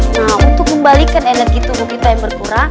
nah untuk kembalikan energi tuh bukanya itu berkurang ya